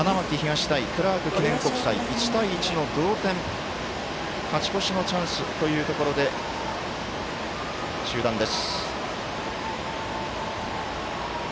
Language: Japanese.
花巻東対クラーク記念国際１対１の同点勝ち越しのチャンスというところで中断です。